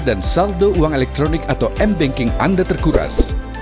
dan saldo uang elektronik atau mbanking anda terkuras